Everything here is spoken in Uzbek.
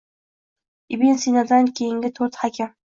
Ibn Sinodan keyingi to‘rt «hakim»...